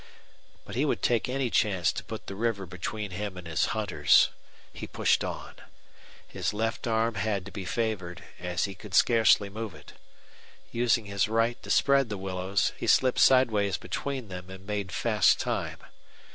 But he would take any chance to put the river between him and his hunters. He pushed on. His left arm had to be favored, as he could scarcely move it. Using his right to spread the willows, he slipped sideways between them and made fast time.